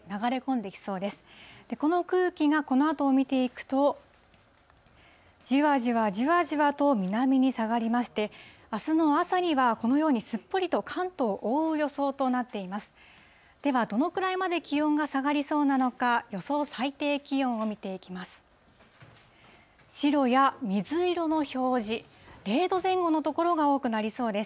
では、どのくらいまで気温が下がりそうなのか、予想最低気温を見ていきます。